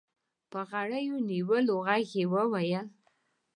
په غريو نيولي ږغ يې وويل.